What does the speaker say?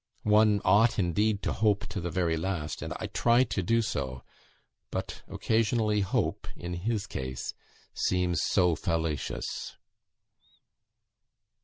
One ought, indeed, to hope to the very last; and I try to do so, but occasionally hope in his case seems so fallacious."